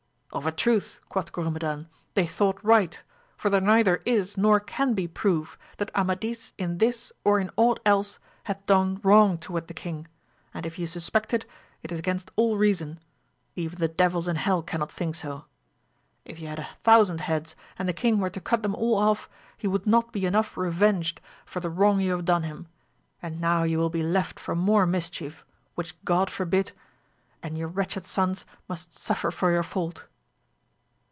Of a truth, quoth Grumedan, they thought right; for there neither is nor can be proof that Amadis in this or in aught else hath done wrong toward the king, and if you suspect it, it is against all reason ; even the devils in hell cannot think so ! If you had a thousand heads, and the king were to cut them all off, he would not be enough revenged for 142 AMADIS OF GAUL. the wrong you hajire done him, and now you will he left for more mischief, which God forhid ! and your wretched sons must suffer for your fault